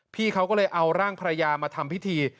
พี่เขาก็เลยเอาร่างภรรยามาทำพิธี